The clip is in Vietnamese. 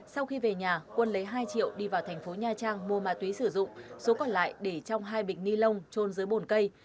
sau khi về nhà quân lấy hai triệu đi vào thành phố nha trang mua ma túy sử dụng số còn lại để trong hai bịch ni lông trôn dưới bồn cây